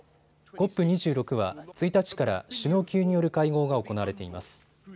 ＣＯＰ２６は１日から首脳級による会合が行われています。